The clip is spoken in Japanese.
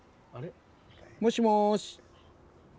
もしもし。